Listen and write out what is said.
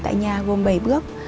tại nhà gồm bảy bước